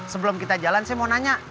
sebelum kita jalan saya mau nanya